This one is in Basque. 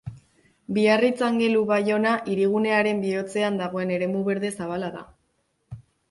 Biarritz-Angelu-Baiona hirigunearen bihotzean dagoen eremu berde zabala da.